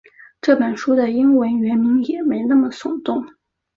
这本书的英文原名也没那么耸动